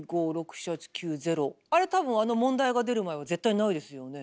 あれ多分あの問題が出る前は絶対ないですよね。